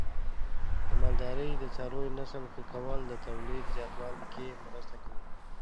د مالدارۍ د څارویو نسل ښه کول د تولید زیاتوالي کې مرسته کوي.